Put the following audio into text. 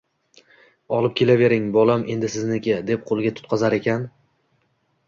Olib ketavering, bolam endi sizniki, deb qo‘liga tutqazar ekan